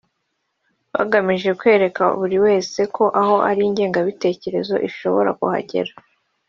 bagamije kwereka buri wese ko aho ari ingengabitekerezo ishobora kuhagera